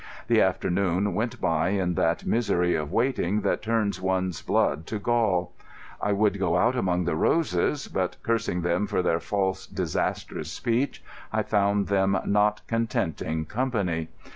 The afternoon went by in that misery of waiting that turns one's blood to gall. I would go out among the roses, but cursing them for their false, disastrous speech, I found them not contenting company.